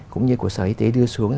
cũng như của sở y tế đưa xuống